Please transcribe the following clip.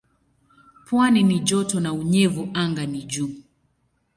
Pwani ni joto na unyevu anga ni juu.